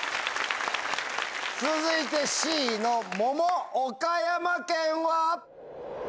続いて「Ｃのもも岡山県」は？